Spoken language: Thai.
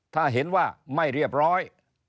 ถ้าเห็นว่าไม่เรียบร้อย